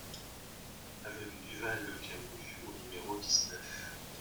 Avenue Duval Le Camus au numéro dix-neuf